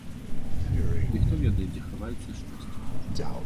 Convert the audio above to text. Дый хто ведае, дзе хаваецца шчасце кожнага?